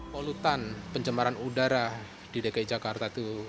polutan pencemaran udara di dki jakarta itu